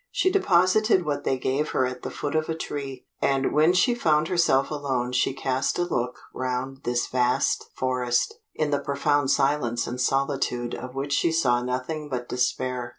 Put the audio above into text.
She deposited what they gave her at the foot of a tree, and when she found herself alone she cast a look round this vast forest, in the profound silence and solitude of which she saw nothing but despair.